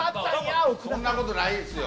そんなことないですよ。